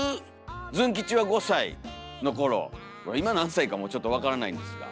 ズン吉は５歳の頃今何歳かもちょっと分からないんですが。